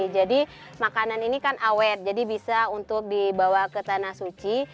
jadi makanan ini kan awet jadi bisa untuk dibawa ke tanah suci